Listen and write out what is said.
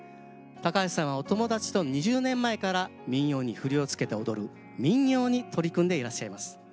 橋さんはお友達と２０年前から民謡に振りを付けて踊る「民踊」に取り組んでいらっしゃいます。